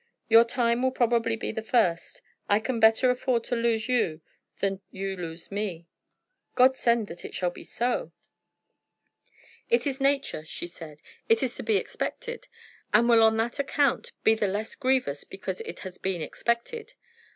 Your time will probably be the first. I can better afford to lose you than you to lose me." "God send that it shall be so!" "It is nature," she said. "It is to be expected, and will on that account be the less grievous because it has been expected.